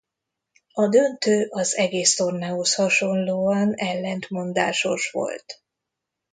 A döntő az egész tornához hasonlóan ellentmondásos volt.